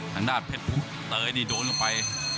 ทางด้านเติ้งปุ๊กเตยชื่องกันไป